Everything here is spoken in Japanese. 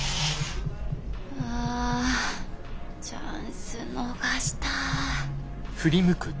あチャンス逃した。